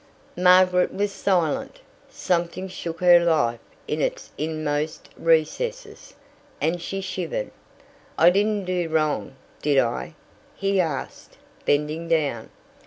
Margaret was silent. Something shook her life in its inmost recesses, and she shivered. "I didn't do wrong, did I?" he asked, bending down.